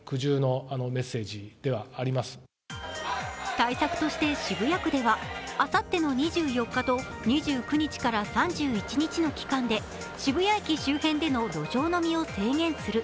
対策として、渋谷区ではあさっての２４日と２９日から３１日の期間で渋谷駅周辺での路上飲みを制限する。